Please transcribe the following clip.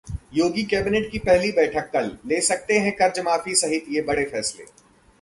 योगी cabinet की पहली बैठक कल, ले सकते हैं कर्जमाफी सहित ये बड़े फैसले...